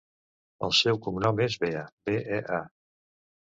El seu cognom és Bea: be, e, a.